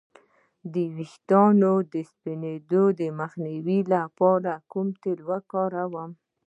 د ویښتو د سپینیدو مخنیوي لپاره کوم تېل وکاروم؟